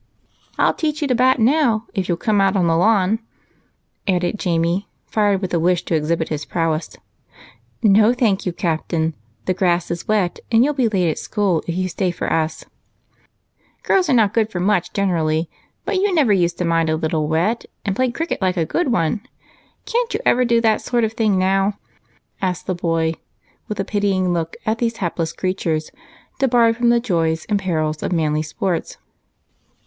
I'll teach you to bat now if you'll come out on the lawn," added Jamie, fired with a wish to exhibit his prowess. "No, thank you, captain. The grass is wet, and you'll be late at school if you stay for us." "I'm not afraid. Girls are not good for much generally, but you never used to mind a little wet and played cricket like a good one. Can't you ever do that sort of thing now?" asked the boy, with a pitying look at these hapless creatures debarred from the joys and perils of manly sports.